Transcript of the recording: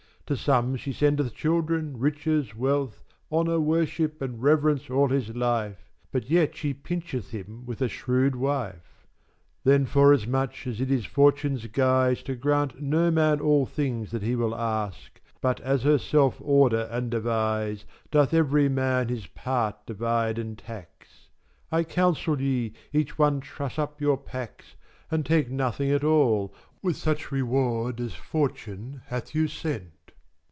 To some she sendeth children, riches, wealth, Honour, worship, and rev'rence all his life, But yet she pincheth him with a shrew'd5 wife. Then forasmuch as it is Fortune's guise To grant no man all things that he will aks,6 But, as herself list order and devise, Doth ev'ry man his part divide and tax; I counsel ye, each one truss up your packs And take nothing at all, or be content With such reward as Fortune hath you sent.